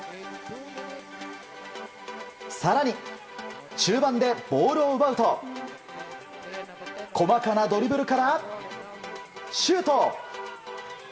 更に、中盤でボールを奪うと細かなドリブルからシュート！